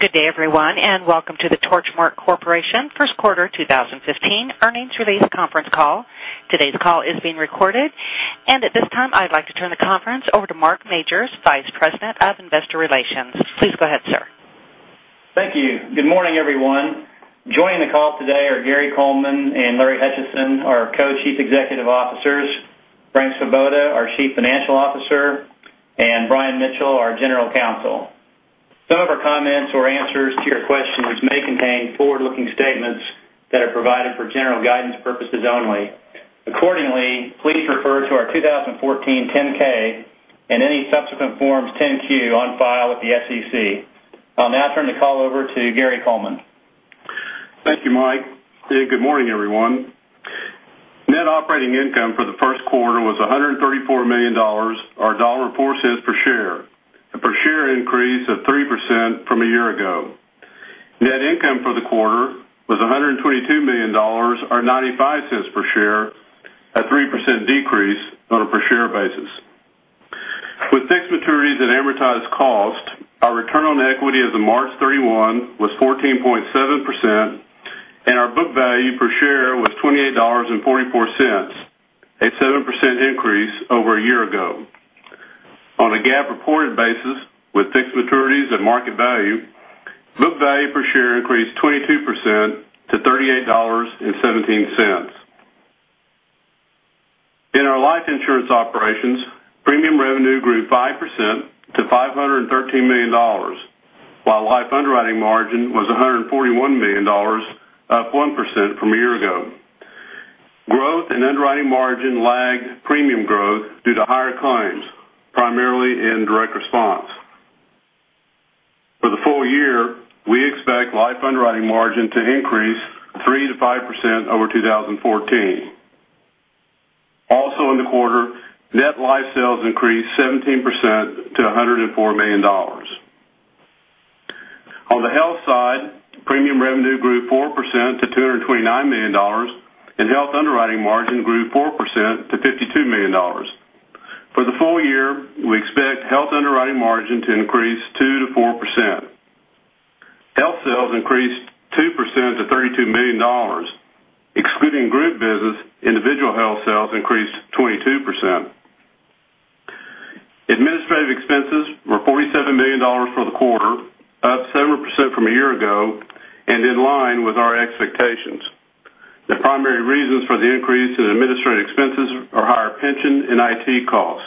Good day, everyone. Welcome to the Torchmark Corporation first quarter 2015 earnings release conference call. Today's call is being recorded. At this time, I'd like to turn the conference over to Mike Majors, Vice President of Investor Relations. Please go ahead, sir. Thank you. Good morning, everyone. Joining the call today are Gary Coleman and Larry Hutchison, our Co-Chief Executive Officers, Frank Svoboda, our Chief Financial Officer, and Brian Mitchell, our General Counsel. Some of our comments or answers to your questions may contain forward-looking statements that are provided for general guidance purposes only. Please refer to our 2014 10-K and any subsequent Forms 10-Q on file with the SEC. I'll now turn the call over to Gary Coleman. Thank you, Mike. Good morning, everyone. Net operating income for the first quarter was $134 million, or $1.04 per share. A per share increase of 3% from a year ago. Net income for the quarter was $122 million, or $0.95 per share. A 3% decrease on a per share basis. With fixed maturities and amortized cost, our return on equity as of March 31 was 14.7%. Our book value per share was $28.44, a 7% increase over a year ago. On a GAAP reported basis with fixed maturities and market value, book value per share increased 22% to $38.17. In our life insurance operations, premium revenue grew 5% to $513 million. Life underwriting margin was $141 million, up 1% from a year ago. Growth in underwriting margin lagged premium growth due to higher claims, primarily in direct response. For the full year, we expect life underwriting margin to increase 3%-5% over 2014. In the quarter, net life sales increased 17% to $104 million. On the health side, premium revenue grew 4% to $229 million. Health underwriting margin grew 4% to $52 million. For the full year, we expect health underwriting margin to increase 2%-4%. Health sales increased 2% to $32 million. Excluding group business, individual health sales increased 22%. Administrative expenses were $47 million for the quarter, up 7% from a year ago. In line with our expectations. The primary reasons for the increase in administrative expenses are higher pension and IT costs.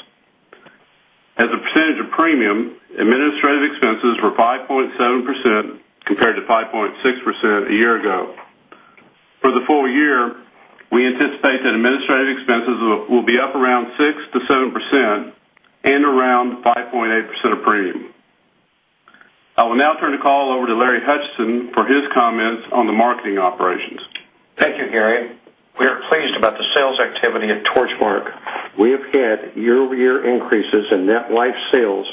As a percentage of premium, administrative expenses were 5.7% compared to 5.6% a year ago. For the full year, we anticipate that administrative expenses will be up around 6%-7% and around 5.8% of premium. I will now turn the call over to Larry Hutchison for his comments on the marketing operations. Thank you, Gary. We are pleased about the sales activity at Torchmark. We have had year-over-year increases in net life sales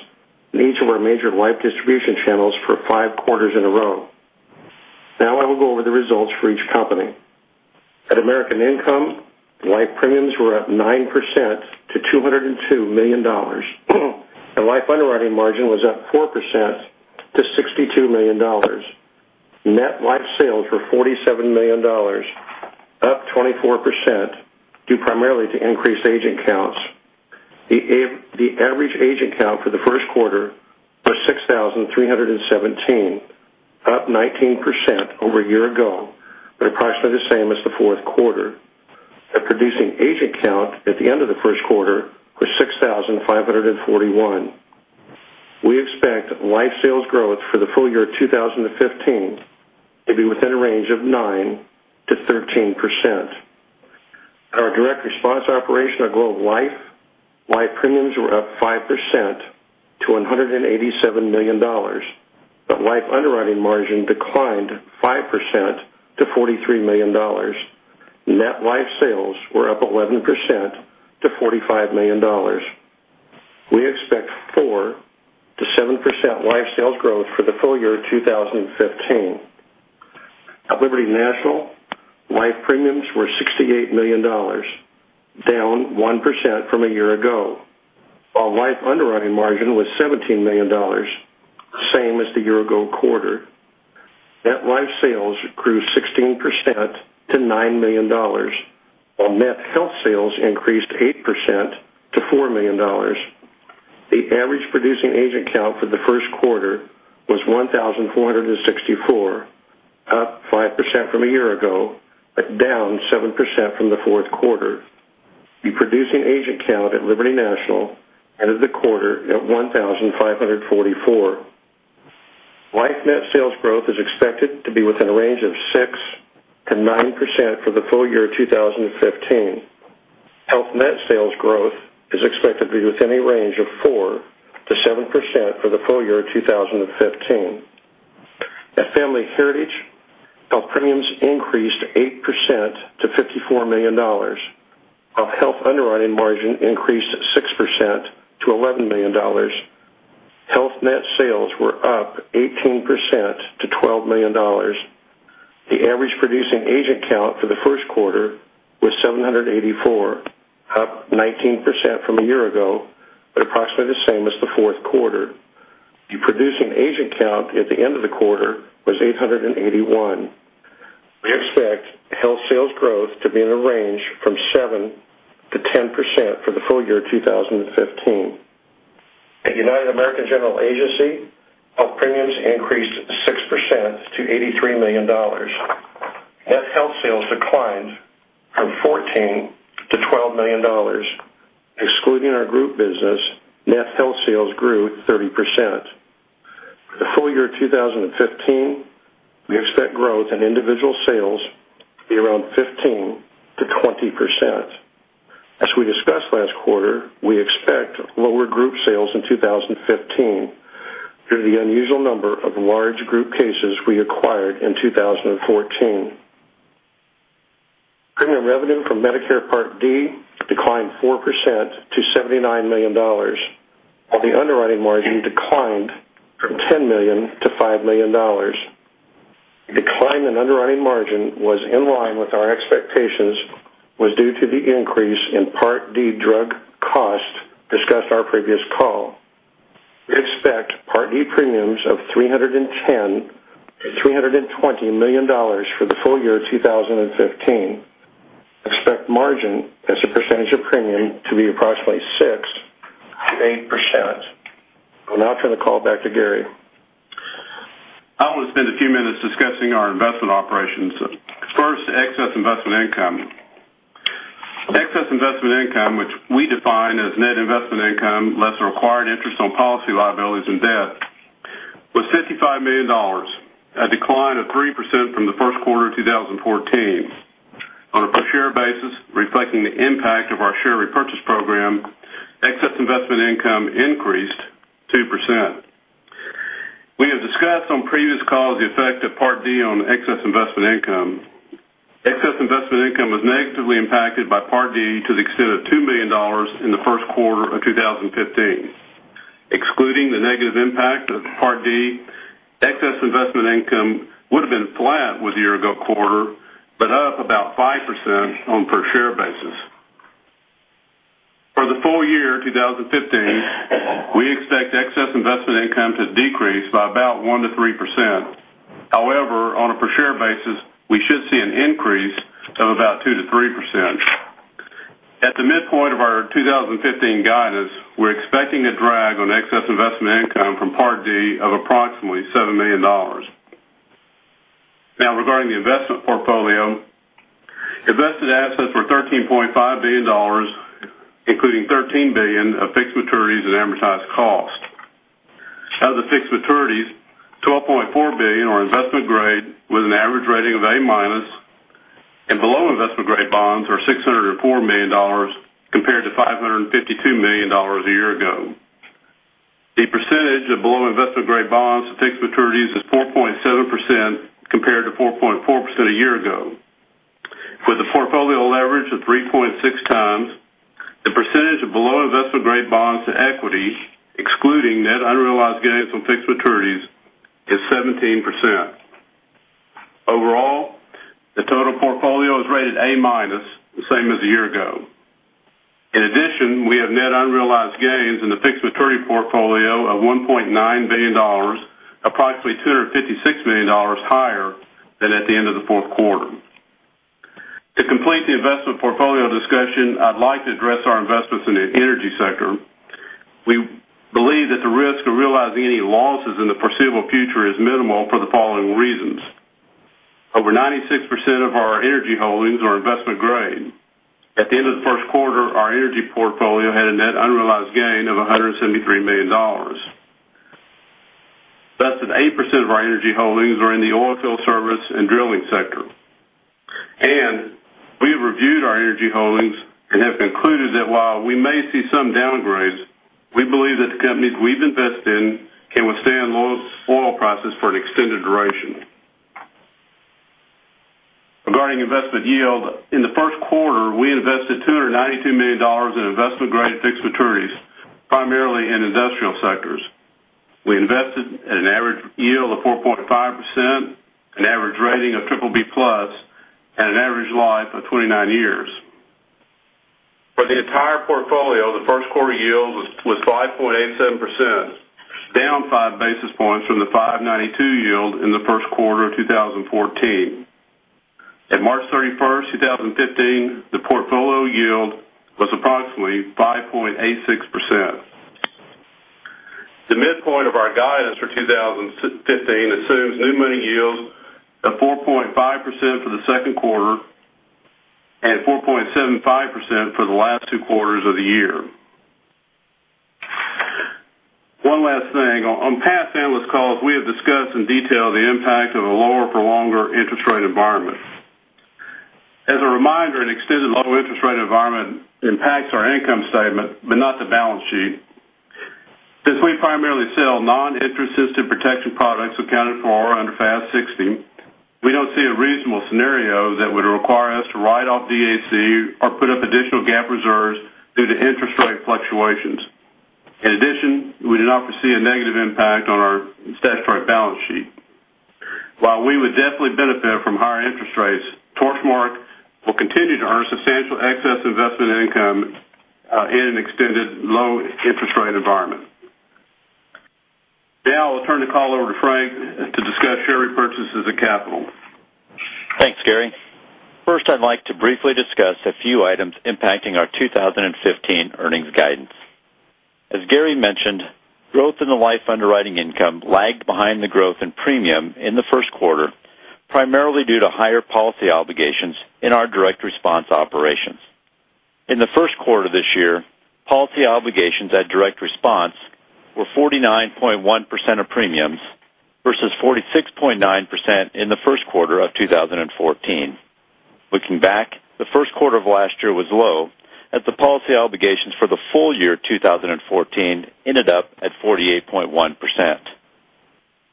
in each of our major life distribution channels for five quarters in a row. Now I will go over the results for each company. At American Income, life premiums were up 9% to $202 million, and life underwriting margin was up 4% to $62 million. Net life sales were $47 million, up 24%, due primarily to increased agent counts. The average agent count for the first quarter was 6,317, up 19% over a year ago, but approximately the same as the fourth quarter. The producing agent count at the end of the first quarter was 6,541. We expect life sales growth for the full year 2015 to be within a range of 9%-13%. At our direct response operation at Globe Life, life premiums were up 5% to $187 million. Life underwriting margin declined 5% to $43 million. Net life sales were up 11% to $45 million. We expect 4%-7% life sales growth for the full year 2015. At Liberty National, life premiums were $68 million, down 1% from a year ago. While life underwriting margin was $17 million, same as the year ago quarter. Net life sales grew 16% to $9 million, while net health sales increased 8% to $4 million. The average producing agent count for the first quarter was 1,464, up 5% from a year ago, but down 7% from the fourth quarter. The producing agent count at Liberty National ended the quarter at 1,544. Life net sales growth is expected to be within a range of 6%-9% for the full year 2015. Health net sales growth is expected to be within a range of 4%-7% for the full year 2015. At Family Heritage, health premiums increased 8% to $54 million, while health underwriting margin increased 6% to $11 million. Health net sales were up 18% to $12 million. The average producing agent count for the first quarter was 784, up 19% from a year ago, but approximately the same as the fourth quarter. The producing agent count at the end of the quarter was 881. We expect health sales growth to be in the range from 7%-10% for the full year 2015. At United American General Agency, health premiums increased 6% to $83 million. Net health sales declined from $14 million to $12 million. Excluding our group business, net health sales grew 30%. For the full year 2015, we expect growth in individual sales to be around 15%-20%. As we discussed last quarter, we expect lower group sales in 2015 due to the unusual number of large group cases we acquired in 2014. Premium revenue from Medicare Part D declined 4% to $79 million, while the underwriting margin declined from $10 million to $5 million. The decline in underwriting margin was in line with our expectations was due to the increase in Part D drug cost discussed our previous call. We expect Part D premiums of $310 million-$320 million for the full year 2015, we expect margin as a percentage of premium to be approximately 6%-8%. I'll now turn the call back to Gary. I want to spend a few minutes discussing our investment operations. First, excess investment income. Excess investment income, which we define as net investment income less the required interest on policy liabilities and debt, was $55 million, a decline of 3% from the first quarter of 2014. On a per share basis, reflecting the impact of our share repurchase program, excess investment income increased 2%. We have discussed on previous calls the effect of Part D on excess investment income. Excess investment income was negatively impacted by Part D to the extent of $2 million in the first quarter of 2015. Excluding the negative impact of Part D, excess investment income would have been flat with year-ago quarter, but up about 5% on per share basis. For the full year 2015, we expect excess investment income to decrease by about 1%-3%. However, on a per share basis, we should see an increase of about 2%-3%. At the midpoint of our 2015 guidance, we're expecting a drag on excess investment income from Part D of approximately $7 million. Regarding the investment portfolio, invested assets were $13.5 billion, including $13 billion of fixed maturities and amortized cost. Of the fixed maturities, $12.4 billion are investment grade with an average rating of A-minus and below investment grade bonds are $604 million compared to $552 million a year ago. The percentage of below investment grade bonds to fixed maturities is 4.7% compared to 4.4% a year ago. With a portfolio leverage of 3.6 times, the percentage of below investment grade bonds to equity, excluding net unrealized gains on fixed maturities, is 17%. Overall, the total portfolio is rated A-minus, the same as a year ago. In addition, we have net unrealized gains in the fixed maturity portfolio of $1.9 billion, approximately $256 million higher than at the end of the fourth quarter. To complete the investment portfolio discussion, I'd like to address our investments in the energy sector. We believe that the risk of realizing any losses in the foreseeable future is minimal for the following reasons. Over 96% of our energy holdings are investment grade. At the end of the first quarter, our energy portfolio had a net unrealized gain of $173 million. Less than 8% of our energy holdings are in the oilfield service and drilling sector. We have reviewed our energy holdings and have concluded that while we may see some downgrades, we believe that the companies we've invested in can withstand low oil prices for an extended duration. Regarding investment yield, in the first quarter, we invested $292 million in investment-grade fixed maturities, primarily in industrial sectors. We invested at an average yield of 4.5%, an average rating of BBB+, and an average life of 29 years. For the entire portfolio, the first quarter yield was 5.87%, down five basis points from the 5.92% yield in the first quarter of 2014. At March 31, 2015, the portfolio yield was approximately 5.86%. The midpoint of our guidance for 2015 assumes new money yields of 4.5% for the second quarter and 4.75% for the last two quarters of the year. One last thing. On past analyst calls, we have discussed in detail the impact of a lower-for-longer interest rate environment. As a reminder, an extended low interest rate environment impacts our income statement, but not the balance sheet. Since we primarily sell non-interest sensitive protection products accounted for under FAS 60, we don't see a reasonable scenario that would require us to write off DAC or put up additional GAAP reserves due to interest rate fluctuations. In addition, we do not foresee a negative impact on our statutory balance sheet. While we would definitely benefit from higher interest rates, Globe Life will continue to earn substantial excess investment income in an extended low interest rate environment. Now I will turn the call over to Frank to discuss share repurchases of capital. Thanks, Gary. First, I'd like to briefly discuss a few items impacting our 2015 earnings guidance. As Gary mentioned, growth in the life underwriting income lagged behind the growth in premium in the first quarter, primarily due to higher policy obligations in our direct response operations. In the first quarter this year, policy obligations at direct response were 49.1% of premiums, versus 46.9% in the first quarter of 2014. Looking back, the first quarter of last year was low, as the policy obligations for the full year 2014 ended up at 48.1%.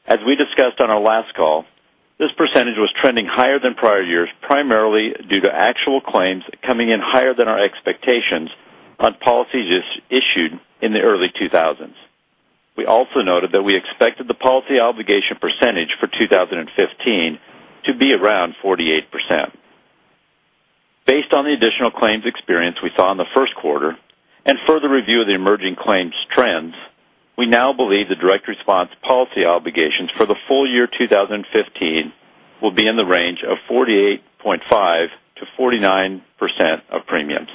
As we discussed on our last call, this percentage was trending higher than prior years, primarily due to actual claims coming in higher than our expectations on policies issued in the early 2000s. We also noted that we expected the policy obligation percentage for 2015 to be around 48%. Based on the additional claims experience we saw in the first quarter and further review of the emerging claims trends, we now believe the direct response policy obligations for the full year 2015 will be in the range of 48.5%-49% of premiums.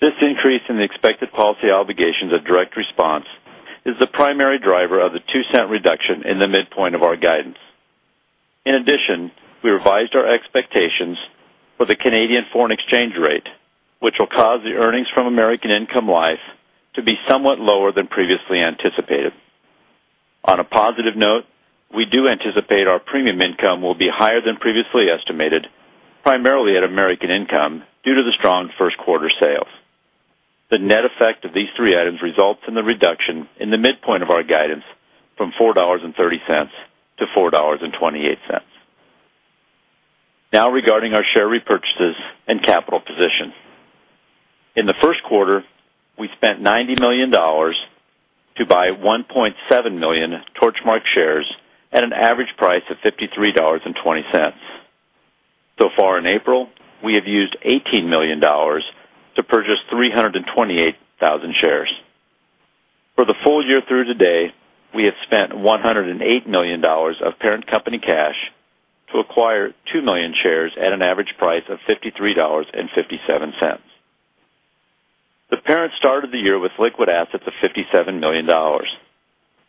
This increase in the expected policy obligations of direct response is the primary driver of the $0.02 reduction in the midpoint of our guidance. In addition, we revised our expectations for the Canadian foreign exchange rate, which will cause the earnings from American Income Life to be somewhat lower than previously anticipated. On a positive note, we do anticipate our premium income will be higher than previously estimated, primarily at American Income, due to the strong first quarter sales. The net effect of these three items results in the reduction in the midpoint of our guidance from $4.30 to $4.28. Regarding our share repurchases and capital position. In the first quarter, we spent $90 million to buy 1.7 million Torchmark shares at an average price of $53.20. So far in April, we have used $18 million to purchase 328,000 shares. For the full year through today, we have spent $108 million of parent company cash to acquire 2 million shares at an average price of $53.57. The parent started the year with liquid assets of $57 million.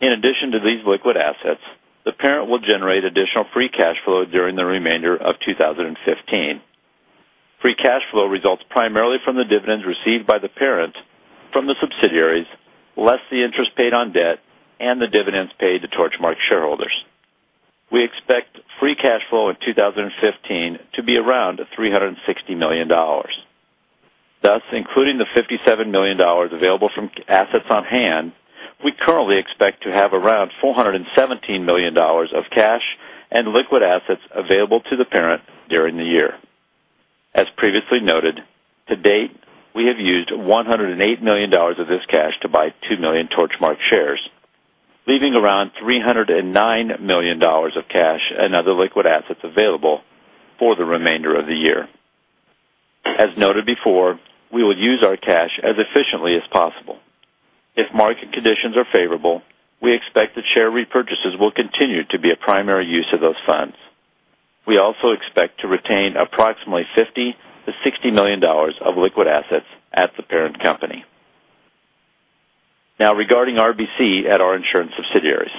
In addition to these liquid assets, the parent will generate additional free cash flow during the remainder of 2015. Free cash flow results primarily from the dividends received by the parent from the subsidiaries, less the interest paid on debt and the dividends paid to Torchmark shareholders. We expect free cash flow in 2015 to be around $360 million. Including the $57 million available from assets on hand, we currently expect to have around $417 million of cash and liquid assets available to the parent during the year. As previously noted, to date, we have used $108 million of this cash to buy 2 million Torchmark shares, leaving around $309 million of cash and other liquid assets available for the remainder of the year. As noted before, we will use our cash as efficiently as possible. If market conditions are favorable, we expect that share repurchases will continue to be a primary use of those funds. We also expect to retain approximately $50 million-$60 million of liquid assets at the parent company. Regarding RBC at our insurance subsidiaries.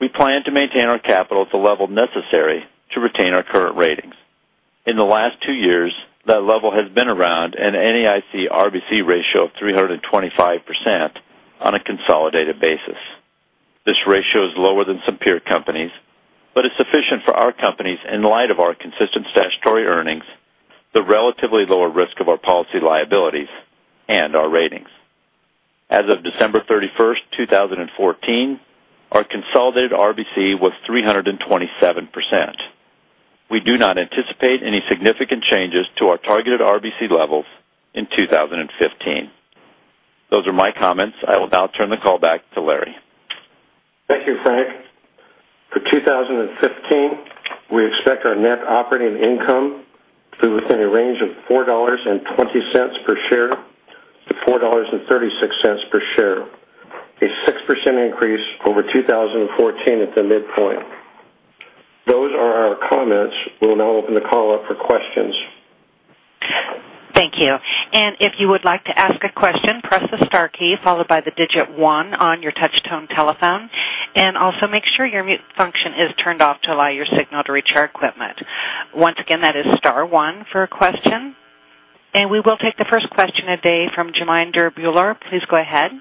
We plan to maintain our capital at the level necessary to retain our current ratings. In the last 2 years, that level has been around an NAIC RBC ratio of 325% on a consolidated basis. This ratio is lower than some peer companies, but is sufficient for our companies in light of our consistent statutory earnings, the relatively lower risk of our policy liabilities, and our ratings. As of December 31st, 2014, our consolidated RBC was 327%. We do not anticipate any significant changes to our targeted RBC levels in 2015. Those are my comments. I will now turn the call back to Larry. Thank you, Frank. For 2015, we expect our net operating income to be within a range of $4.20 per share to $4.36 per share, a 6% increase over 2014 at the midpoint. Those are our comments. We will now open the call up for questions. Thank you. If you would like to ask a question, press the star key followed by the digit 1 on your touch tone telephone, also make sure your mute function is turned off to allow your signal to reach our equipment. Once again, that is star one for a question. We will take the first question of day from Brian DiRubbio. Please go ahead.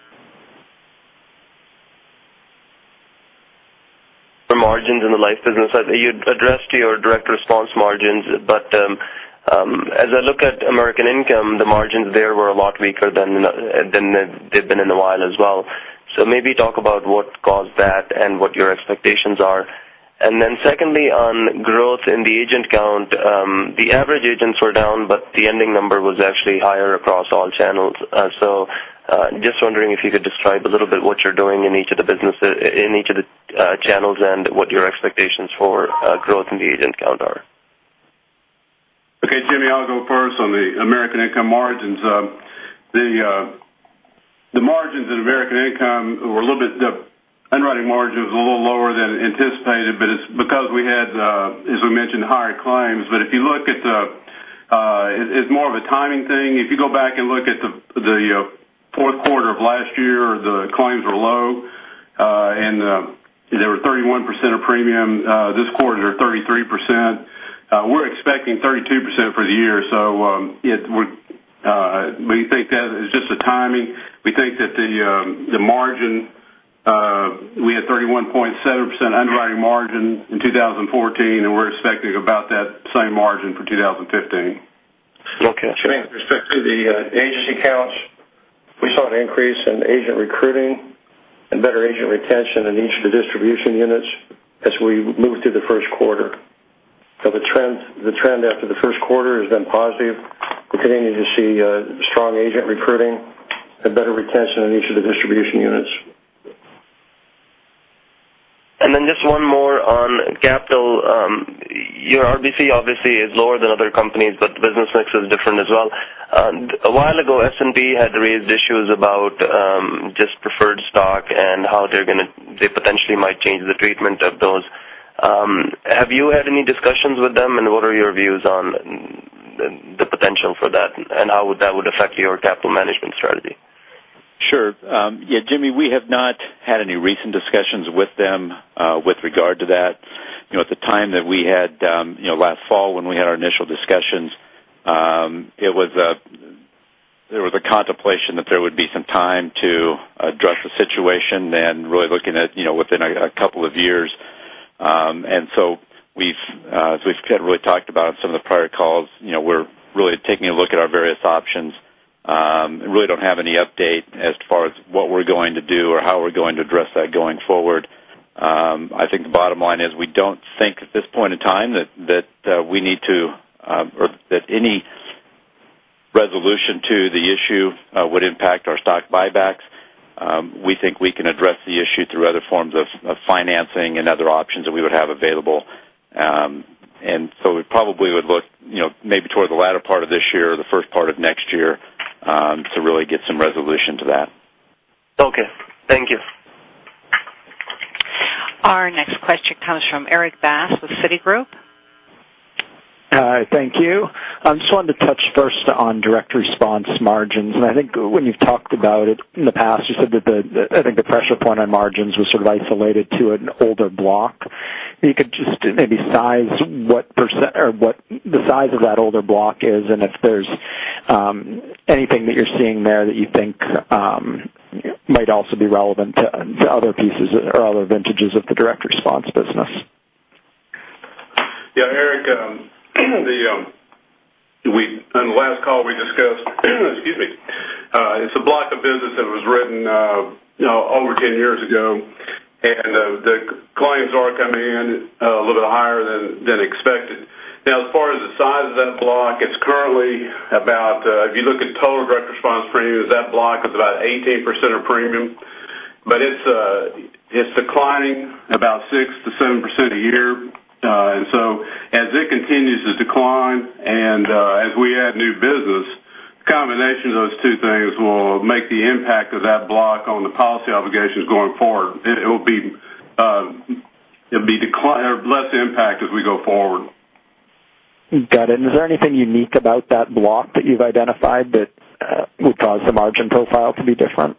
The margins in the life business, you had addressed your direct response margins, but as I look at American Income, the margins there were a lot weaker than they've been in a while as well. Maybe talk about what caused that and what your expectations are. Then secondly, on growth in the agent count, the average agents were down, but the ending number was actually higher across all channels. Just wondering if you could describe a little bit what you're doing in each of the channels and what your expectations for growth in the agent count are. Okay, Jimmy, I'll go first on the American Income margins. The margins in American Income, the underwriting margin was a little lower than anticipated, but it's because we had, as we mentioned, higher claims. If you look at the, it's more of a timing thing. If you go back and look at the fourth quarter of last year, the claims were low, and they were 31% of premium. This quarter, they're 33%. We're expecting 32% for the year. We think that is just the timing. We think that the margin, we had 31.7% underwriting margin in 2014, and we're expecting about that same margin for 2015. Okay. Jimmy, with respect to the agency counts, we saw an increase in agent recruiting and better agent retention in each of the distribution units as we moved through the first quarter. The trend after the first quarter has been positive. We're continuing to see strong agent recruiting and better retention in each of the distribution units. Just one more on capital. Your RBC obviously is lower than other companies, but the business mix is different as well. A while ago, S&P had raised issues about just preferred stock and how they potentially might change the treatment of those. Have you had any discussions with them, and what are your views on the potential for that, and how that would affect your capital management strategy? Sure. Yeah, Jimmy, we have not had any recent discussions with them with regard to that. At the time that we had, last fall when we had our initial discussions, there was a contemplation that there would be some time to address the situation, then really looking at within a couple of years. As we've kind of really talked about on some of the prior calls, we're really taking a look at our various options. Really don't have any update as far as what we're going to do or how we're going to address that going forward. I think the bottom line is we don't think at this point in time that we need to, or that any resolution to the issue would impact our stock buybacks. We think we can address the issue through other forms of financing and other options that we would have available. We probably would look maybe toward the latter part of this year or the first part of next year to really get some resolution to that. Okay. Thank you. Our next question comes from Erik Bass with Citigroup. Hi, thank you. I just wanted to touch first on direct response margins, I think when you've talked about it in the past, you said that I think the pressure point on margins was sort of isolated to an older block. If you could just maybe size what the size of that older block is and if there's anything that you're seeing there that you think might also be relevant to other pieces or other vintages of the direct response business. Yeah, Erik, on the last call we discussed, it's a block of business that was written over 10 years ago, the claims are coming in a little bit higher than expected. As far as the size of that block, it's currently about, if you look at total direct response premiums, that block is about 18% of premium, but it's declining about 6%-7% a year. As it continues to decline and as we add new business, the combination of those two things will make the impact of that block on the policy obligations going forward. It'll be less impact as we go forward. Got it. Is there anything unique about that block that you've identified that would cause the margin profile to be different?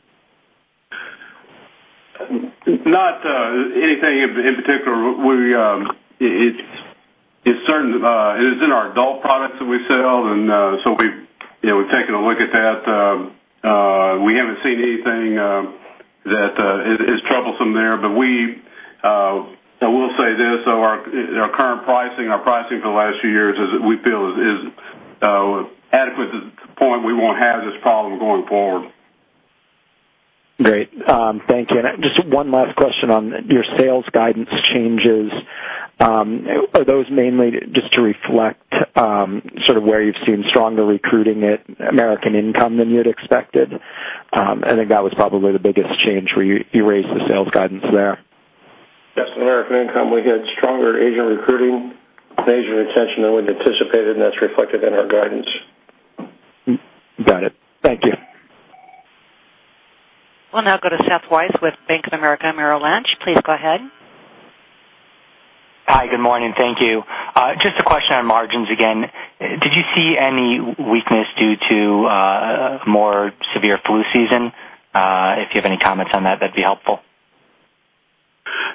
Not anything in particular. It is in our adult products that we sell, we've taken a look at that. We haven't seen anything that is troublesome there. I will say this, our current pricing, our pricing for the last few years is we feel is adequate to the point we won't have this problem going forward. Great. Thank you. Just one last question on your sales guidance changes. Are those mainly just to reflect sort of where you've seen stronger recruiting at American Income than you'd expected? I think that was probably the biggest change where you raised the sales guidance there. Yes. In American Income, we had stronger agent recruiting and agent retention than we'd anticipated, that's reflected in our guidance. Got it. Thank you. We'll now go to Seth Weiss with Bank of America Merrill Lynch. Please go ahead. Hi, good morning. Thank you. Just a question on margins again. Did you see any weakness due to a more severe flu season? If you have any comments on that'd be helpful.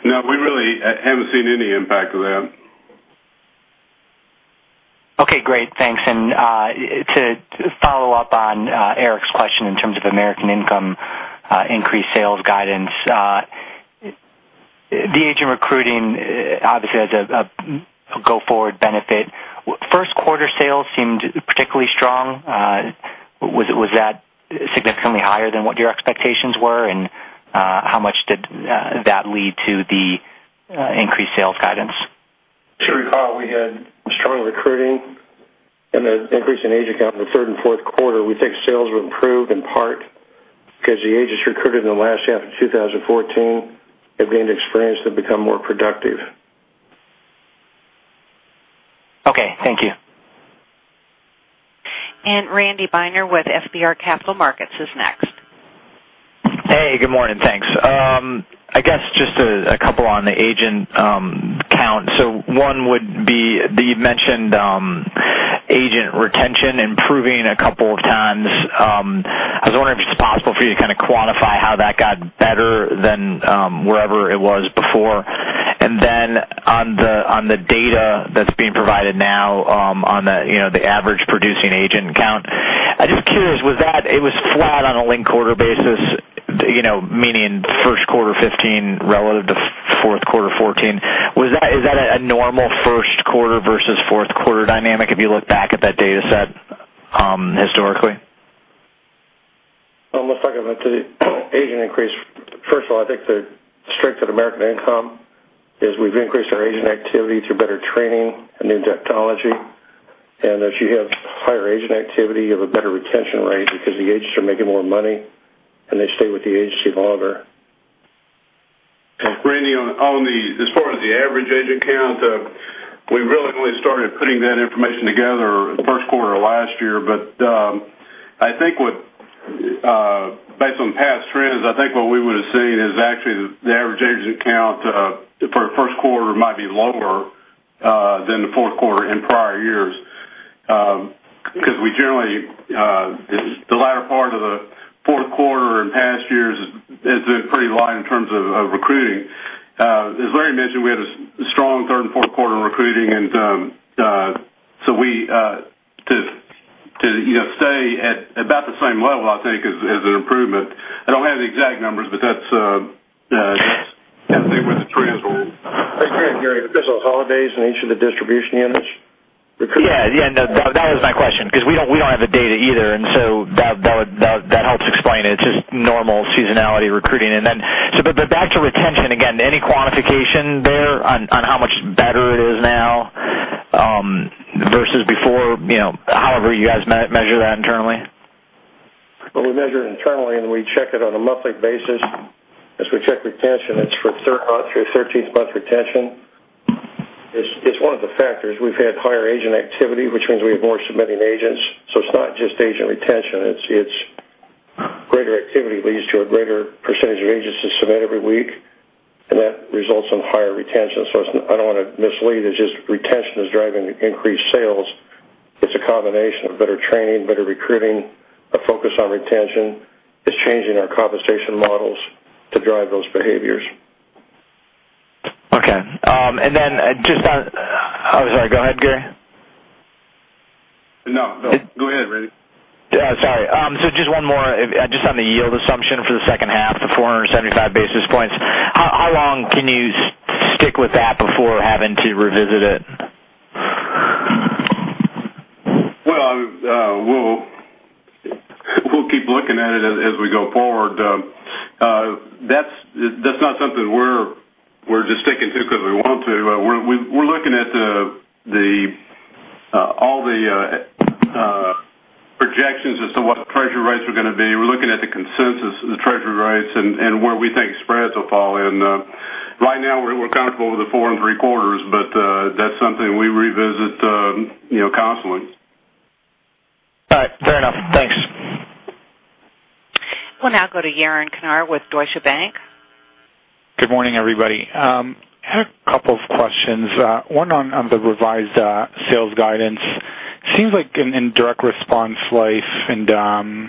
No, we really haven't seen any impact of that. Okay, great. Thanks. To follow up on Erik's question in terms of American Income increased sales guidance, the agent recruiting obviously has a go-forward benefit. Your sales seemed particularly strong. Was that significantly higher than what your expectations were? How much did that lead to the increased sales guidance? To recall, we had strong recruiting and the increase in agent count in the third and fourth quarter. We think sales will improve in part because the agents recruited in the last half of 2014 have gained experience and have become more productive. Okay. Thank you. Randy Binner with FBR Capital Markets is next. Hey, good morning. Thanks. I guess just a couple on the agent count. One would be, you mentioned agent retention improving a couple of times. I was wondering if it's possible for you to kind of quantify how that got better than wherever it was before. On the data that's being provided now on the average producing agent count, I'm just curious, it was flat on a linked quarter basis, meaning Q1 2015 relative to Q4 2014. Is that a normal first quarter versus fourth quarter dynamic if you look back at that data set historically? Let's talk about the agent increase. First of all, I think the strength at American Income Life is we've increased our agent activity through better training and new technology. As you have higher agent activity, you have a better retention rate because the agents are making more money, and they stay with the agency longer. Randy, as far as the average agent count, we really only started putting that information together first quarter last year. Based on past trends, I think what we would have seen is actually the average agent count for first quarter might be lower than the fourth quarter in prior years because the latter part of the fourth quarter in past years has been pretty light in terms of recruiting. As Larry mentioned, we had a strong third and fourth quarter in recruiting, to stay at about the same level, I think, is an improvement. I don't have the exact numbers, but that's I think where the trends will- I think, Gary, that there's those holidays in each of the distribution units recruiting. No, that was my question because we don't have the data either. That helps explain it. It's just normal seasonality recruiting. Back to retention again, any quantification there on how much better it is now versus before however you guys measure that internally? We measure it internally, and we check it on a monthly basis as we check retention. It's for third month through 13th month retention. It's one of the factors. We've had higher agent activity, which means we have more submitting agents. It's not just agent retention. Greater activity leads to a greater percentage of agents that submit every week, and that results in higher retention. I don't want to mislead. It's just retention is driving increased sales. It's a combination of better training, better recruiting, a focus on retention. It's changing our compensation models to drive those behaviors. Okay. Just on-- Oh, sorry. Go ahead, Gary. No, go ahead, Randy. Yeah, sorry. Just one more just on the yield assumption for the second half, the 475 basis points. How long can you stick with that before having to revisit it? Well, we'll keep looking at it as we go forward. That's not something we're just sticking to because we want to. We're looking at all the projections as to what treasury rates are going to be. We're looking at the consensus of the treasury rates and where we think spreads will fall. Right now we're comfortable with the four and three quarters, but that's something we revisit constantly. All right. Fair enough. Thanks. We'll now go to Yaron Kinar with Deutsche Bank. Good morning, everybody. I had a couple of questions. One on the revised sales guidance. Seems like in Direct Response Life and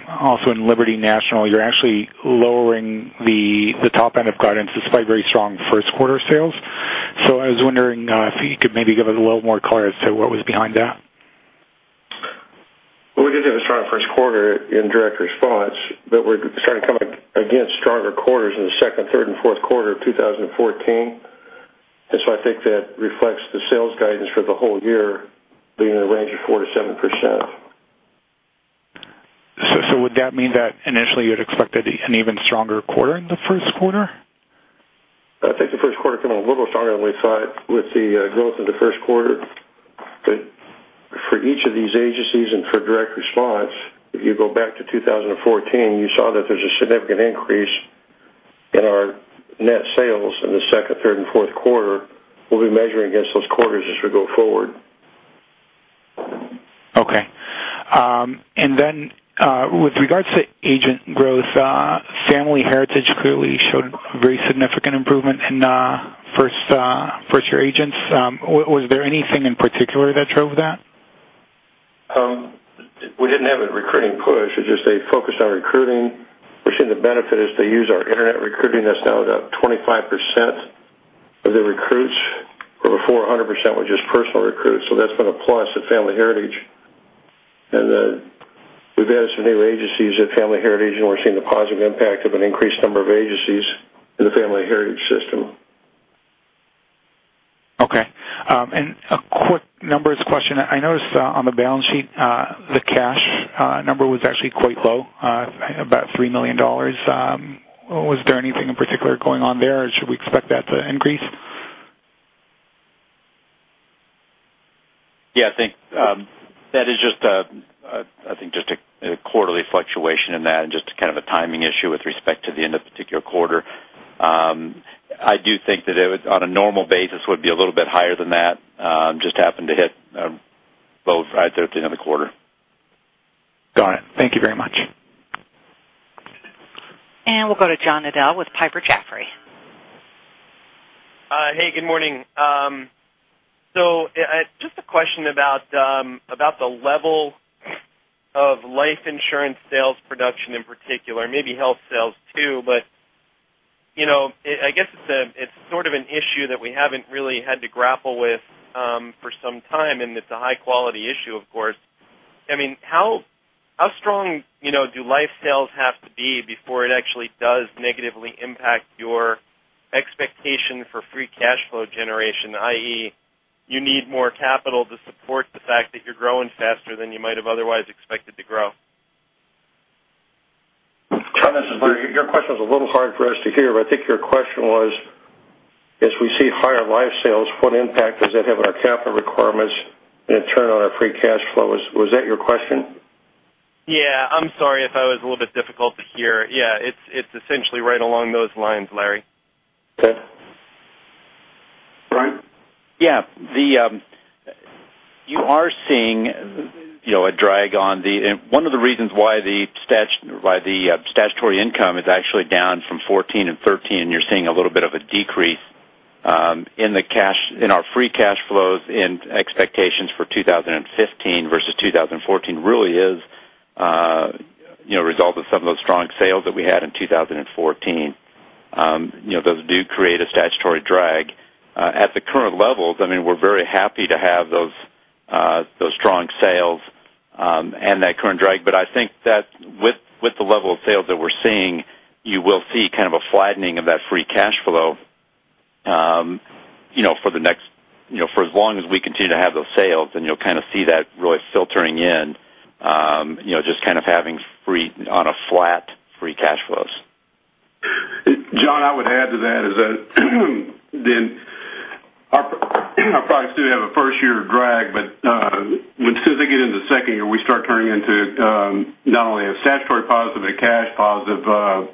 also in Liberty National, you're actually lowering the top end of guidance despite very strong first quarter sales. I was wondering if you could maybe give us a little more color as to what was behind that. Well, we did have a strong first quarter in Direct Response, but we're starting to come against stronger quarters in the second, third, and fourth quarter of 2014. I think that reflects the sales guidance for the whole year being in the range of 4%-7%. Would that mean that initially you had expected an even stronger quarter in the first quarter? I think the first quarter came in a little stronger than we thought with the growth in the first quarter. For each of these agencies and for Direct Response, if you go back to 2014, you saw that there's a significant increase in our net sales in the second, third, and fourth quarter. We'll be measuring against those quarters as we go forward. Okay. With regards to agent growth, Family Heritage clearly showed a very significant improvement in first-year agents. Was there anything in particular that drove that? We didn't have a recruiting push. It's just a focus on recruiting. We're seeing the benefit as they use our internet recruiting. That's now about 25% of the recruits, where before 100% was just personal recruits. That's been a plus at Family Heritage. We've added some new agencies at Family Heritage, and we're seeing the positive impact of an increased number of agencies in the Family Heritage system. Okay. A quick numbers question. I noticed on the balance sheet, the cash number was actually quite low, about $3 million. Was there anything in particular going on there or should we expect that to increase? Yeah, I think that is just a quarterly fluctuation in that and just kind of a timing issue with respect to the end of the particular quarter. I do think that it, on a normal basis, would be a little bit higher than that. Just happened to hit both right there at the end of the quarter. Got it. Thank you very much. We'll go to John Nadel with Piper Jaffray. Hey, good morning. Just a question about the level of life insurance sales production in particular, maybe health sales too, but I guess it's sort of an issue that we haven't really had to grapple with for some time, and it's a high-quality issue, of course. How strong do life sales have to be before it actually does negatively impact your expectation for free cash flow generation, i.e., you need more capital to support the fact that you're growing faster than you might have otherwise expected to grow? John, this is Larry. Your question was a little hard for us to hear, but I think your question was, as we see higher life sales, what impact does that have on our capital requirements in turn on our free cash flows? Was that your question? I'm sorry if I was a little bit difficult to hear. It's essentially right along those lines, Larry. Frank? You are seeing a drag on One of the reasons why the statutory income is actually down from 2014 and 2013, you're seeing a little bit of a decrease in our free cash flows in expectations for 2015 versus 2014 really is a result of some of those strong sales that we had in 2014. Those do create a statutory drag. At the current levels, we're very happy to have those strong sales and that current drag. I think that with the level of sales that we're seeing, you will see kind of a flattening of that free cash flow for as long as we continue to have those sales, then you'll kind of see that really filtering in, just kind of having on a flat free cash flows. John, I would add to that is that our products do have a first-year drag, but as soon as they get into second year, we start turning into not only a statutory positive but cash positive. I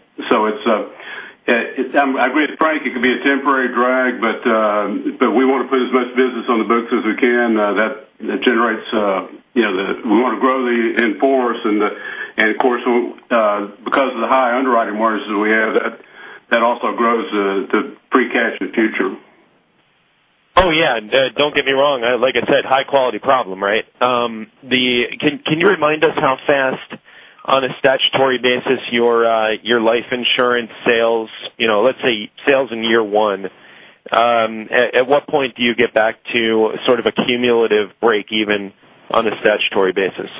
agree with Frank, it can be a temporary drag, but we want to put as much business on the books as we can. We want to grow the in-force and, of course, because of the high underwriting margins that we have, that also grows the free cash in future. Oh, yeah. Don't get me wrong. Like I said, high-quality problem, right? Can you remind us how fast on a statutory basis your life insurance sales, let's say, sales in year one, at what point do you get back to sort of a cumulative break even on a statutory basis?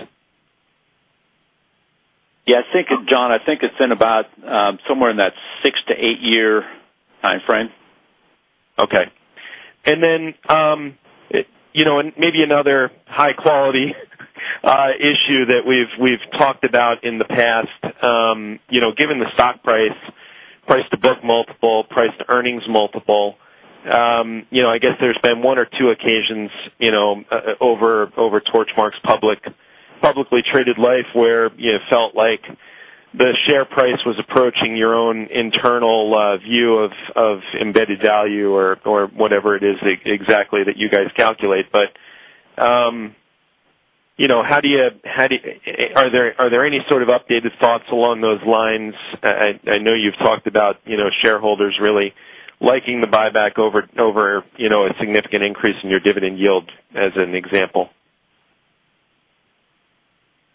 Yeah, John, I think it's in about somewhere in that 6 to 8 year time frame. Okay. Maybe another high-quality issue that we've talked about in the past. Given the stock price to book multiple, price to earnings multiple, I guess there's been one or two occasions over Torchmark's publicly traded life where you felt like the share price was approaching your own internal view of embedded value or whatever it is exactly that you guys calculate. Are there any sort of updated thoughts along those lines? I know you've talked about shareholders really liking the buyback over a significant increase in your dividend yield as an example.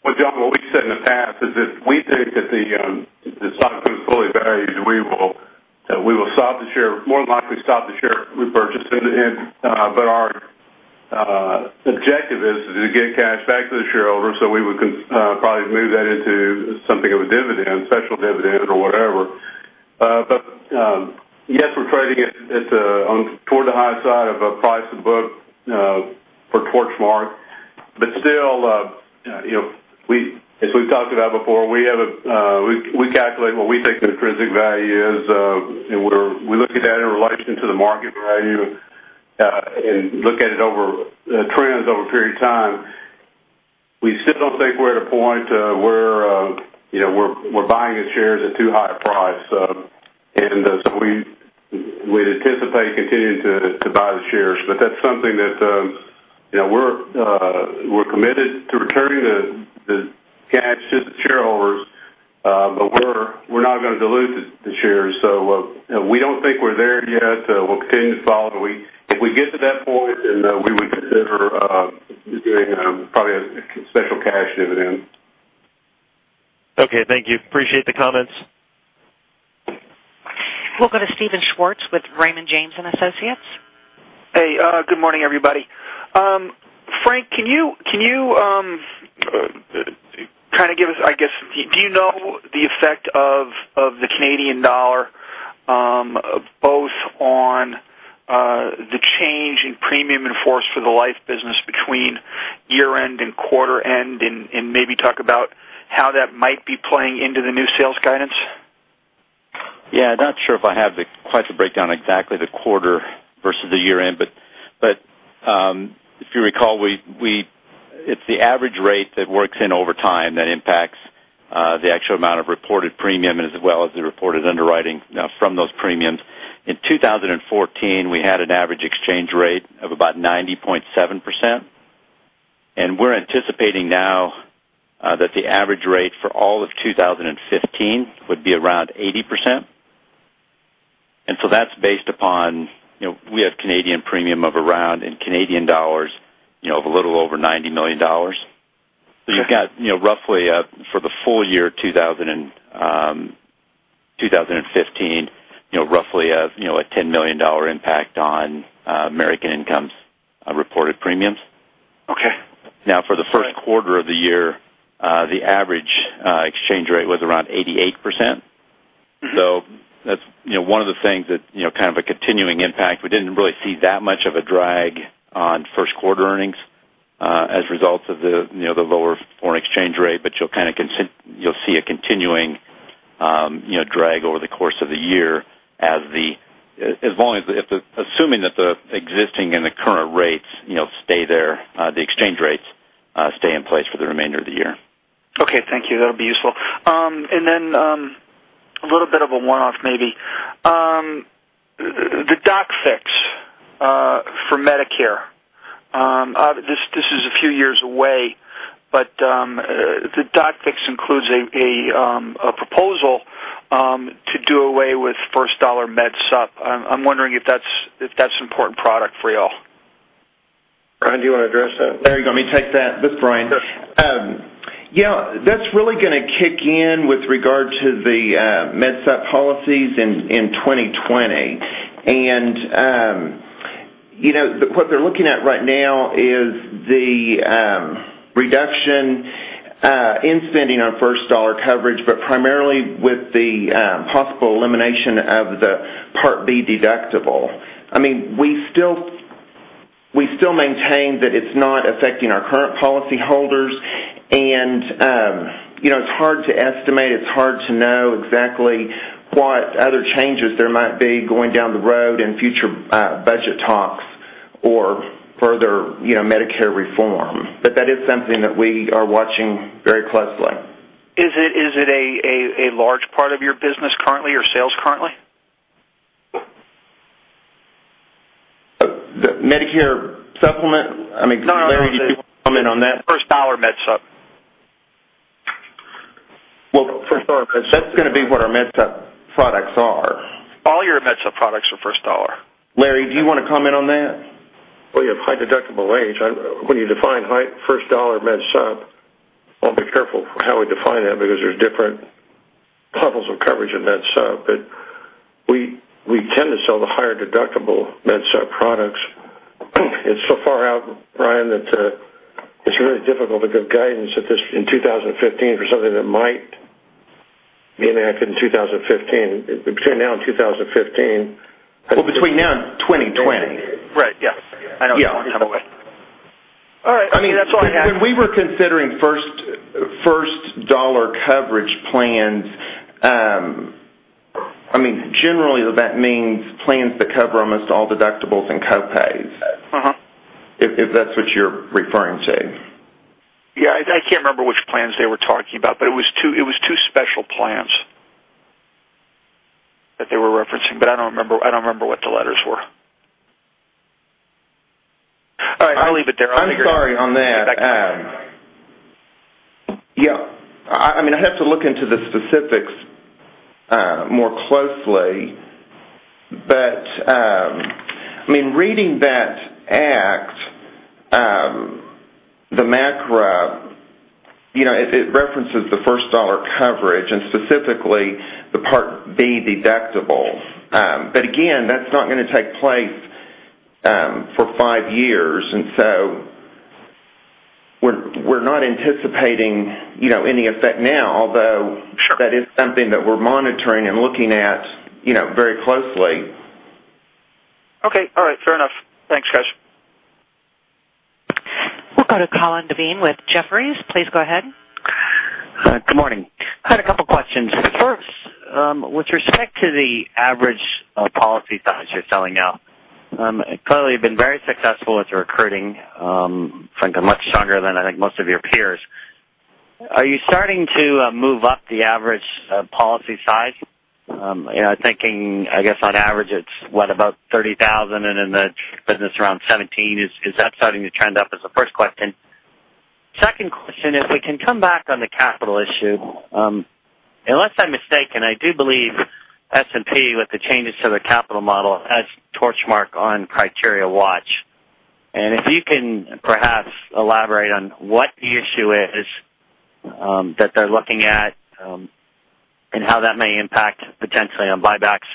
Well, John, what we've said in the past is if we think that the stock is fully valued, we will more than likely stop the share repurchasing. Our objective is to get cash back to the shareholder, so we would probably move that into something of a dividend, special dividend or whatever. Yes, we're trading it toward the high side of price to book for Torchmark. Still, as we've talked about before, we calculate what we think the intrinsic value is, and we look at that in relation to the market value, and look at trends over a period of time. We still don't think we're at a point where we're buying the shares at too high a price. We'd anticipate continuing to buy the shares. That's something that we're committed to returning the cash to the shareholders. We're not going to dilute the shares. We don't think we're there yet. We'll continue to follow. If we get to that point, we would consider doing probably a special cash dividend. Thank you. Appreciate the comments. We'll go to Steven Schwartz with Raymond James & Associates. Good morning, everybody. Frank, do you know the effect of the Canadian dollar, both on the change in premium and force for the life business between year-end and quarter-end? Maybe talk about how that might be playing into the new sales guidance. Yeah. Not sure if I have quite the breakdown exactly the quarter versus the year-end, but if you recall, it's the average rate that works in over time that impacts the actual amount of reported premium as well as the reported underwriting from those premiums. In 2014, we had an average exchange rate of about 90.7%, and we're anticipating now that the average rate for all of 2015 would be around 80%. That's based upon, we have Canadian premium of around, in Canadian dollars, of a little over 90 million dollars. Okay. You've got, roughly for the full year 2015, roughly a $10 million impact on American Income's reported premiums. Okay. For the first quarter of the year, the average exchange rate was around 88%. That's one of the things that, kind of a continuing impact. We didn't really see that much of a drag on first-quarter earnings as a result of the lower foreign exchange rate. You'll see a continuing drag over the course of the year, assuming that the existing and the current rates stay there, the exchange rates stay in place for the remainder of the year. Okay, thank you. That'll be useful. A little bit of a one-off, maybe. The doc fix for Medicare. This is a few years away, but the doc fix includes a proposal to do away with first-dollar MedSup. I'm wondering if that's important product for you all. Brian, do you want to address that? Larry, let me take that. This is Brian. Sure. Yeah. That's really going to kick in with regard to the MedSup policies in 2020. What they're looking at right now is the reduction in spending on first-dollar coverage, but primarily with the possible elimination of the Part B deductible. We still maintain that it's not affecting our current policyholders, and it's hard to estimate, it's hard to know exactly what other changes there might be going down the road in future budget talks or further Medicare reform. That is something that we are watching very closely. Is it a large part of your business currently or sales currently? The Medicare Supplement? I mean, Larry, do you want to comment on that? First-dollar MedSup. Well, that's going to be what our MedSup products are. All your MedSup products are first dollar. Larry, do you want to comment on that? Well, yeah, high-deductible plan. When you define first-dollar MedSup, I'll be careful how we define that because there's different levels of coverage in MedSup. We tend to sell the higher deductible MedSup products. It's so far out, Brian, that it's really difficult to give guidance at this in 2015 for something that might be enacted in 2015. Between now and 2015. Well, between now and 2020. Right. Yeah. I know it's a ways away. All right. I mean, that's all I had. When we were considering first-dollar coverage plans, generally that means plans that cover almost all deductibles and co-pays. If that's what you're referring to. Yeah, I can't remember which plans they were talking about, but it was two special plans that they were referencing, but I don't remember what the letters were. All right, I'll leave it there. I'm sorry on that. Yeah. I'd have to look into the specifics more closely, but reading that act, the MACRA, it references the first-dollar coverage and specifically the Part B deductible. Again, that's not going to take place for five years, we're not anticipating any effect now, although. Sure That is something that we're monitoring and looking at very closely. Okay. All right. Fair enough. Thanks, guys. We'll go to Colin Devine with Jefferies. Please go ahead. Good morning. I had a couple questions. First, with respect to the average policy size you're selling now, clearly, you've been very successful with the recruiting, frankly, much stronger than I think most of your peers. Are you starting to move up the average policy size? I'm thinking, I guess on average, it's, what, about $30,000, and in the business around $17. Is that starting to trend up? Is the first question. Second question, if we can come back on the capital issue. Unless I'm mistaken, I do believe S&P, with the changes to the capital model, has Torchmark on criteria watch. If you can perhaps elaborate on what the issue is that they're looking at, and how that may impact potentially on buybacks.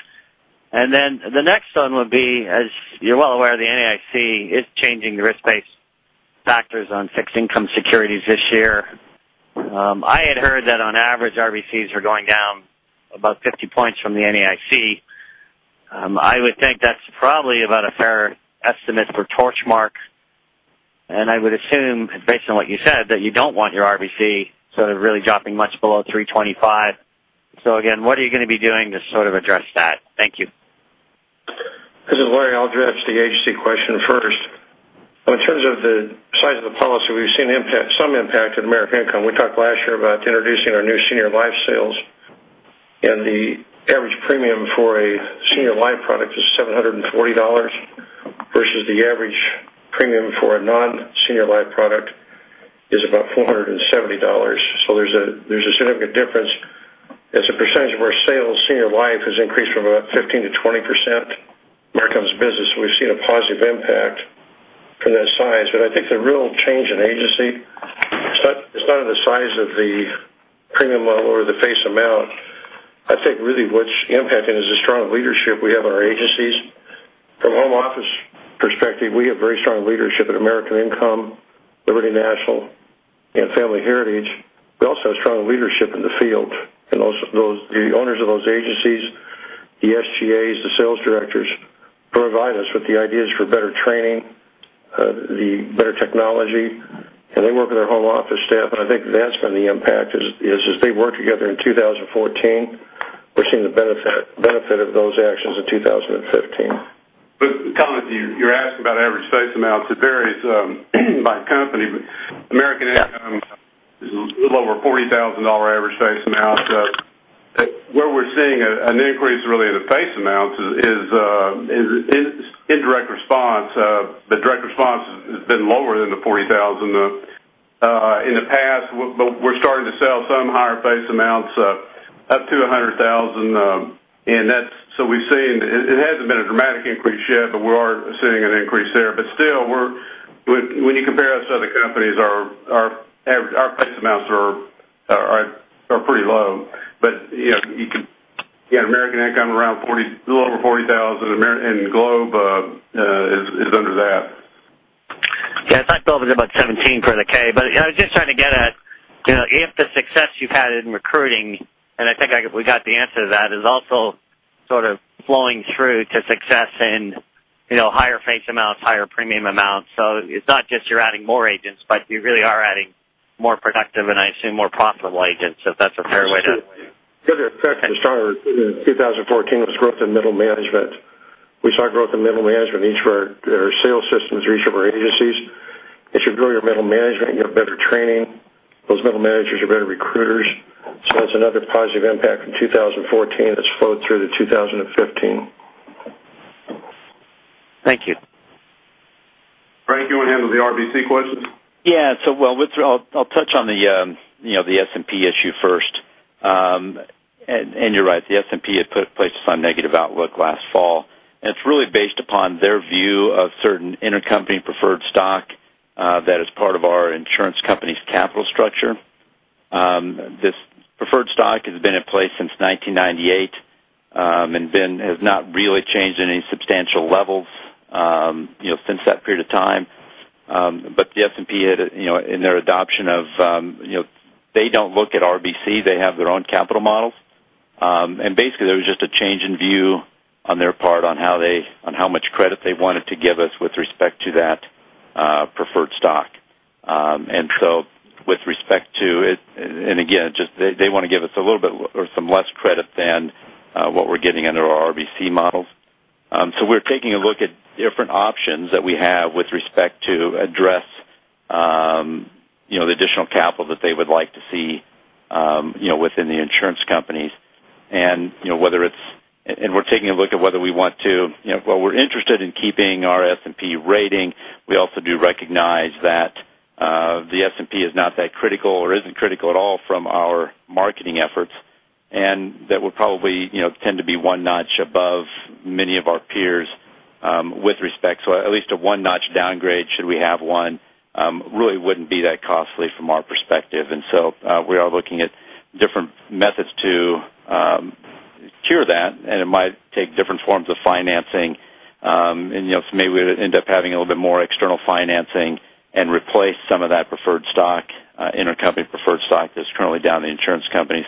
The next one would be, as you're well aware, the NAIC is changing the risk-based factors on fixed income securities this year. I had heard that on average, RBCs are going down about 50 points from the NAIC. I would think that's probably about a fair estimate for Torchmark, and I would assume, based on what you said, that you don't want your RBC sort of really dropping much below 325. Again, what are you going to be doing to sort of address that? Thank you. This is Larry. I'll address the agency question first. In terms of the size of the policy, we've seen some impact at American Income. We talked last year about introducing our new senior life sales, and the average premium for a senior life product is $740 versus the average premium for a non-senior life product is about $470. There's a significant difference. As a percentage of our sales, senior life has increased from about 15%-20% of American's business. We've seen a positive impact from that size. I think the real change in agency, it's not in the size of the premium level or the face amount. I think really what's impacting is the strong leadership we have in our agencies. From home office perspective, we have very strong leadership at American Income, Liberty National, and Family Heritage. We also have strong leadership in the field and the owners of those agencies, the SGAs, the sales directors, provide us with the ideas for better training, the better technology, and they work with our home office staff. I think that's been the impact is as they worked together in 2014, we're seeing the benefit of those actions in 2015. Colin, you're asking about average face amounts. It varies by company, but American Income is a little over $40,000 average face amount. Where we're seeing an increase really in the face amounts is direct response. The direct response has been lower than the $40,000 in the past, but we're starting to sell some higher face amounts up to $100,000. It hasn't been a dramatic increase yet, but we are seeing an increase there. Still, when you compare us to other companies, our face amounts are pretty low. You can get American Income a little over $40,000, and Globe is under that. Yes, I thought Globe was about 17 for the 10-K, but I was just trying to get at if the success you've had in recruiting, and I think we got the answer to that, is also sort of flowing through to success in higher face amounts, higher premium amounts. It's not just you're adding more agents, but you really are adding more productive and I assume more profitable agents, if that's a fair way. The other effect at the start of 2014 was growth in middle management. We saw growth in middle management in each of our sales systems, each of our agencies. As you grow your middle management, you have better training. Those middle managers are better recruiters. That's another positive impact from 2014 that's flowed through to 2015. Thank you. Frank, you want to handle the RBC question? Yeah. You're right, the S&P had placed us on negative outlook last fall, and it's really based upon their view of certain intercompany preferred stock that is part of our insurance company's capital structure. This preferred stock has been in place since 1998, and has not really changed any substantial levels since that period of time. The S&P, they don't look at RBC, they have their own capital models. Basically, there was just a change in view on their part on how much credit they wanted to give us with respect to that preferred stock. With respect to it, and again, they want to give us a little bit or some less credit than what we're getting under our RBC models. We're taking a look at different options that we have with respect to address the additional capital that they would like to see within the insurance companies. We're taking a look at whether we want to. While we're interested in keeping our S&P rating, we also do recognize that the S&P is not that critical or isn't critical at all from our marketing efforts, and that we'll probably tend to be one notch above many of our peers with respect. At least a one-notch downgrade, should we have one, really wouldn't be that costly from our perspective. We are looking at different methods to cure that, and it might take different forms of financing. Maybe we end up having a little bit more external financing and replace some of that preferred stock, intercompany preferred stock that's currently down the insurance companies.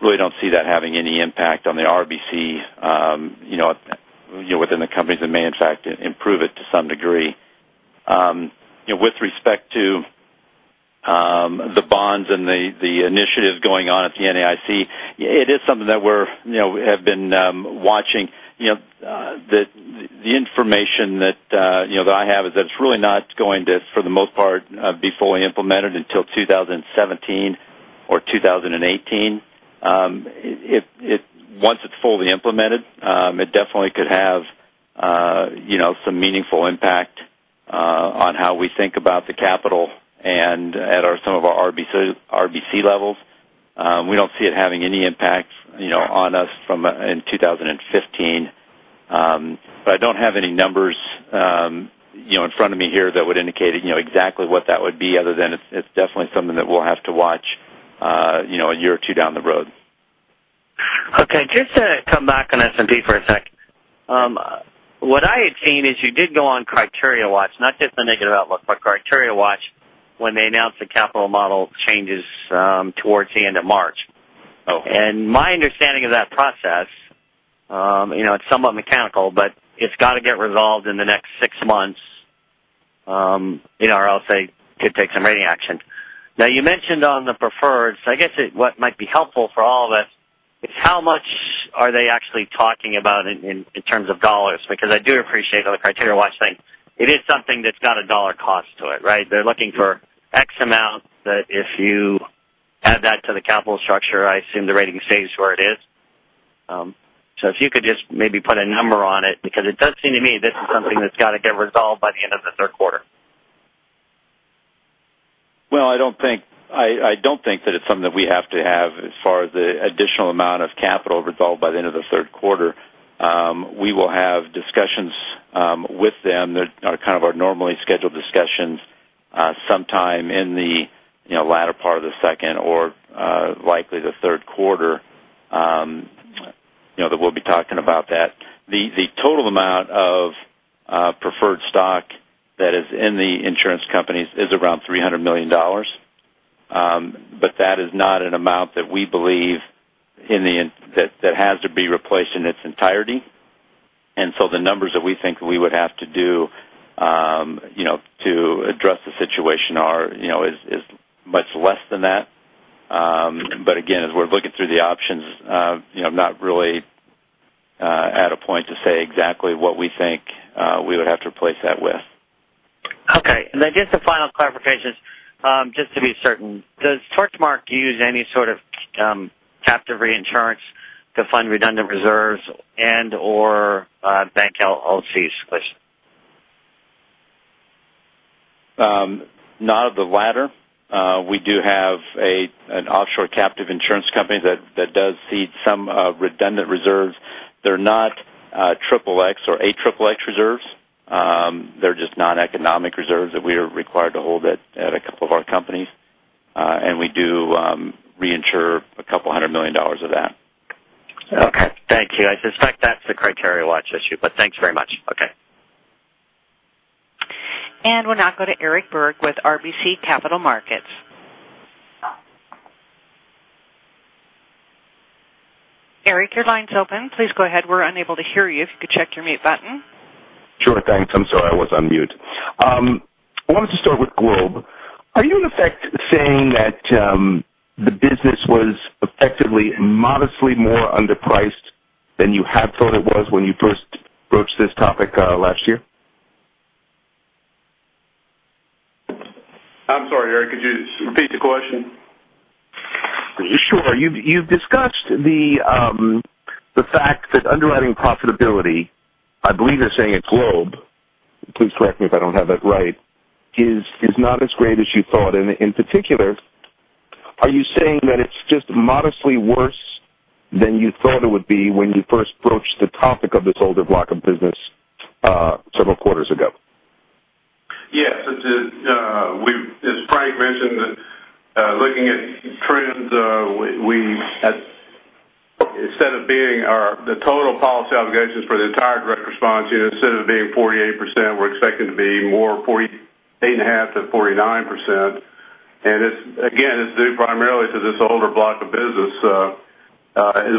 Really don't see that having any impact on the RBC within the companies, it may in fact improve it to some degree. With respect to the bonds and the initiatives going on at the NAIC, it is something that we have been watching. The information that I have is that it's really not going to, for the most part, be fully implemented until 2017 or 2018. Once it's fully implemented, it definitely could have some meaningful impact on how we think about the capital and at some of our RBC levels. We don't see it having any impact on us in 2015. I don't have any numbers in front of me here that would indicate exactly what that would be other than it's definitely something that we'll have to watch a year or two down the road. Okay. Just to come back on S&P for a second. What I had seen is you did go on criteria watch, not just the negative outlook, but criteria watch when they announced the capital model changes towards the end of March. Okay. My understanding of that process, it's somewhat mechanical, but it's got to get resolved in the next six months, or else they could take some rating action. You mentioned on the preferred, I guess what might be helpful for all of us is how much are they actually talking about in terms of dollars? Because I do appreciate on the criteria watch thing, it is something that's got a dollar cost to it, right? They're looking for X amount that if you add that to the capital structure, I assume the rating stays where it is. If you could just maybe put a number on it, because it does seem to me this is something that's got to get resolved by the end of the third quarter. Well, I don't think that it's something that we have to have as far as the additional amount of capital resolved by the end of the third quarter. We will have discussions with them that are kind of our normally scheduled discussions, sometime in the latter part of the second or likely the third quarter, that we'll be talking about that. The total amount of preferred stock that is in the insurance companies is around $300 million. That is not an amount that we believe that has to be replaced in its entirety. The numbers that we think we would have to do to address the situation is much less than that. Again, as we're looking through the options, I'm not really at a point to say exactly what we think we would have to replace that with. Okay. Just some final clarifications, just to be certain. Does Torchmark use any sort of captive reinsurance to fund redundant reserves and/or bank LCs? Not of the latter. We do have an offshore captive insurance company that does cede some redundant reserves. They're not XXX or AXXX reserves. They're just non-economic reserves that we are required to hold at a couple of our companies. We do reinsure $200 million of that. Okay. Thank you. I suspect that's the criteria watch issue, thanks very much. Okay. We'll now go to Eric Berg with RBC Capital Markets. Eric, your line's open. Please go ahead. We're unable to hear you. If you could check your mute button. Sure. Thanks. I'm sorry, I was on mute. I wanted to start with Globe. Are you in effect saying that the business was effectively modestly more underpriced than you had thought it was when you first broached this topic last year? I'm sorry, Eric, could you just repeat the question? Sure. You've discussed the fact that underwriting profitability, I believe they're saying at Globe Life, please correct me if I don't have that right, is not as great as you thought. In particular, are you saying that it's just modestly worse than you thought it would be when you first broached the topic of this older block of business several quarters ago? Yes. As Frank mentioned, looking at trends, instead of being the total policy obligations for the entire direct response unit, instead of it being 48%, we're expecting it to be more 48.5%-49%. Again, it's due primarily to this older block of business, the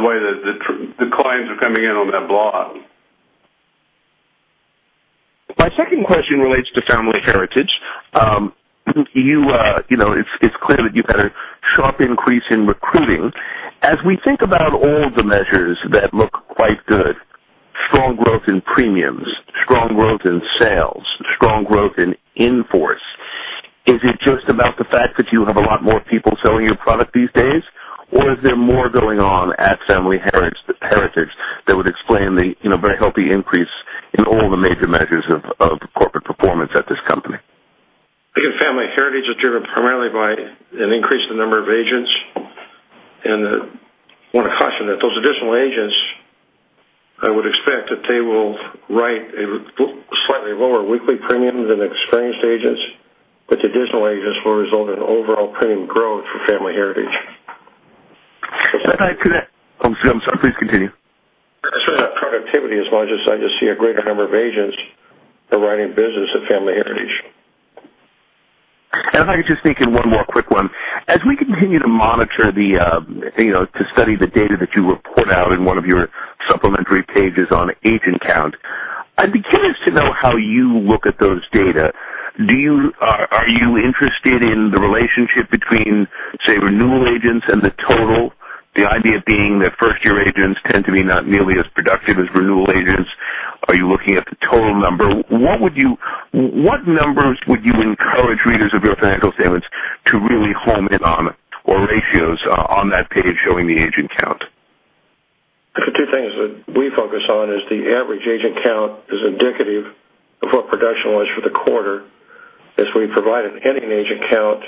way that the claims are coming in on that block. My second question relates to Family Heritage. It's clear that you've had a sharp increase in recruiting. As we think about all the measures that look quite good, strong growth in premiums, strong growth in sales, strong growth in in-force, is it just about the fact that you have a lot more people selling your product these days, or is there more going on at Family Heritage that would explain the very healthy increase in all the major measures of corporate performance at this company? I think at Family Heritage, it's driven primarily by an increase in the number of agents. I want to caution that those additional agents, I would expect that they will write slightly lower weekly premiums than experienced agents, the additional agents will result in overall premium growth for Family Heritage. If I could add-- I'm sorry. Please continue. It's not productivity as much as I just see a greater number of agents are writing business at Family Heritage. If I could just sneak in one more quick one. As we continue to monitor, to study the data that you report out in one of your supplementary pages on agent count, I'd be curious to know how you look at those data. Are you interested in the relationship between, say, renewal agents and the total, the idea being that first-year agents tend to be not nearly as productive as renewal agents? Are you looking at the total number? What numbers would you encourage readers of your financial statements to really hone in on, or ratios on that page showing the agent count? The two things that we focus on is the average agent count is indicative of what production was for the quarter. As we provide an ending agent count,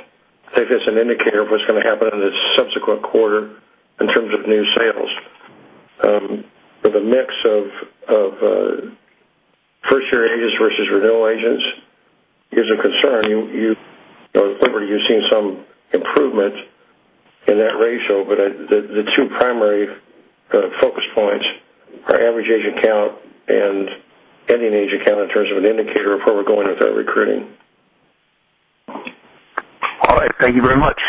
I think it's an indicator of what's going to happen in the subsequent quarter in terms of new sales. For the mix of [inaudible] it's a concern. At Liberty, you've seen some improvement in that ratio, but the two primary focus points are average agent count and ending agent count in terms of an indicator of where we're going with our recruiting. All right. Thank you very much.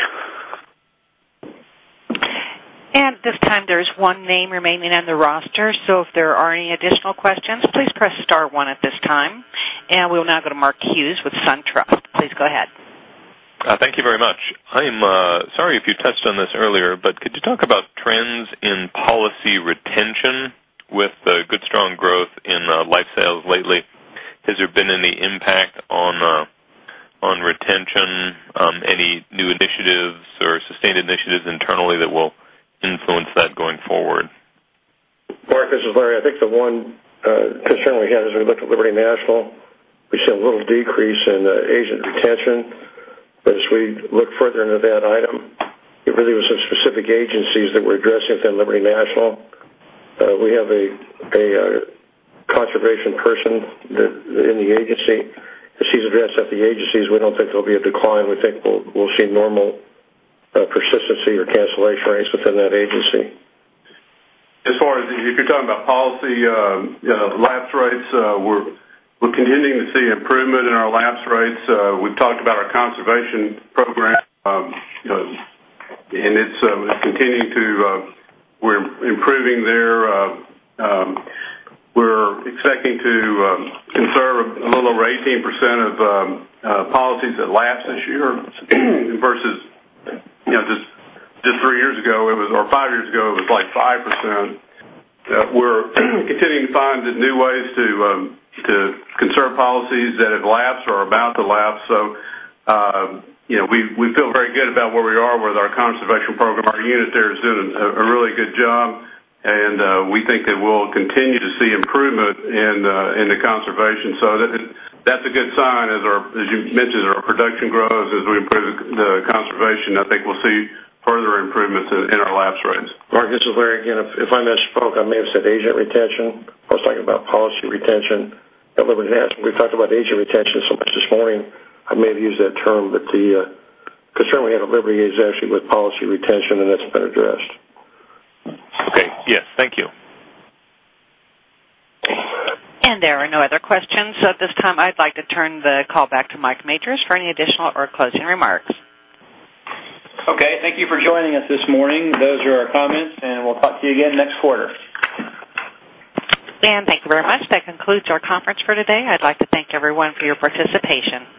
At this time, there is one name remaining on the roster, so if there are any additional questions, please press star one at this time. We will now go to Mark Hughes with SunTrust. Please go ahead. Thank you very much. I'm sorry if you touched on this earlier, could you talk about trends in policy retention with the good, strong growth in life sales lately? Has there been any impact on retention? Any new initiatives or sustained initiatives internally that will influence that going forward? Mark, this is Larry. I think the one concern we had as we looked at Liberty National, we saw a little decrease in agent retention. As we looked further into that item, it really was some specific agencies that we're addressing within Liberty National. We have a conservation person in the agency. As she's addressed at the agencies, we don't think there'll be a decline. We think we'll see normal persistency or cancellation rates within that agency. As far as if you're talking about policy lapse rates, we're continuing to see improvement in our lapse rates. We've talked about our conservation program, and we're improving there. We're expecting to conserve a little over 18% of policies that lapse this year, versus just three years ago or five years ago, it was like 5%. We're continuing to find the new ways to conserve policies that have lapsed or are about to lapse. We feel very good about where we are with our conservation program. Our unit there is doing a really good job, and we think that we'll continue to see improvement in the conservation. That's a good sign as you mentioned, our production grows as we improve the conservation. I think we'll see further improvements in our lapse rates. Mark, this is Larry again. If I misspoke, I may have said agent retention. I was talking about policy retention at Liberty National. We've talked about agent retention so much this morning, I may have used that term, the concern we had at Liberty is actually with policy retention, and that's been addressed. Okay. Yes. Thank you. There are no other questions. At this time, I'd like to turn the call back to Mike Majors for any additional or closing remarks. Okay. Thank you for joining us this morning. Those are our comments, and we'll talk to you again next quarter. Thank you very much. That concludes our conference for today. I'd like to thank everyone for your participation.